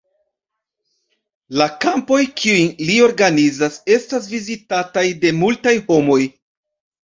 La kampoj, kiujn li organizas, estas vizitataj de multaj homoj.